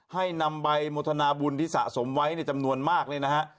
ให้นำใบโมทนาบุญที่สะสมไว้ในจำนวนมากเลยนะฮะ